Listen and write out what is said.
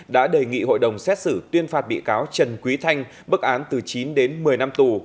đã đề nghị hội đồng xét xử tuyên phạt bị cáo trần quý thanh bức án từ chín đến một mươi năm tù